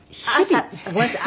ごめんなさい。